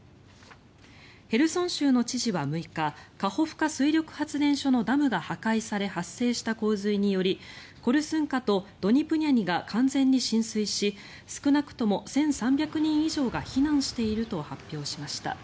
ヘルソン州の知事は６日カホフカ水力発電所のダムが破壊されて発生した洪水によりコルスンカとドニプリャニが完全に浸水し少なくとも１３００人以上が避難していると発表しました。